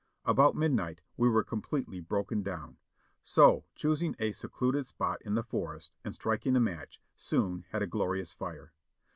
About midnight we wxre completely broken down, so choosing a secluded spot in the forest, and striking a match, soon had a glorious fire.